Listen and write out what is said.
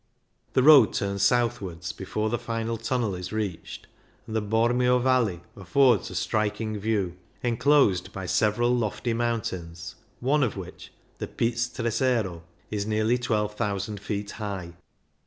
The road turns southwards before the final tunnel is reached, and the Bormio Valley affords a striking view, enclosed by several lofty mountains, one of which, the Piz Tresero, is nearly 12,000 feet high.